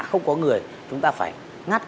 không có người chúng ta phải ngắt